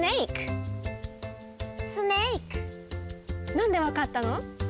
なんでわかったの？